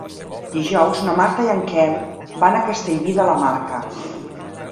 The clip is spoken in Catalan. Dijous na Marta i en Quel van a Castellví de la Marca.